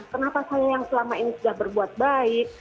kenapa saya yang selama ini sudah berbuat baik